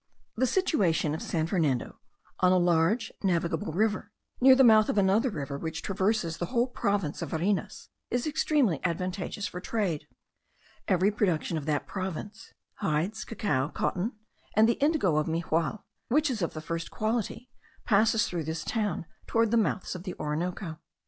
The situation of San Fernando, on a large navigable river, near the mouth of another river which traverses the whole province of Varinas, is extremely advantageous for trade. Every production of that province, hides, cacao, cotton, and the indigo of Mijagual, which is of the first quality, passes through this town towards the mouths of the Orinoco.